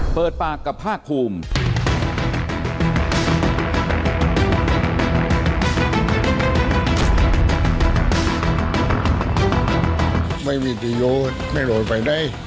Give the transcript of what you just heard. เปิดปากกับภาคภูมิ